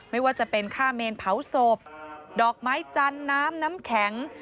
ไม่ว่าจะเป็นค่าเมนเผาศพดอกไม้จันทร์น้ำน้ำแข็ง